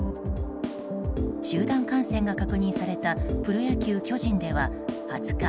集団感染が確認されたプロ野球、巨人では２０日、